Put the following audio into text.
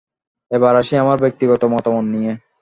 এবার আসি আমার ব্যক্তিগত মতামত নিয়ে।